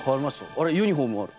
あれユニフォームがある。